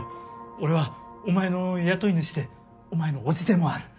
俺はお前の雇い主でお前の叔父でもある。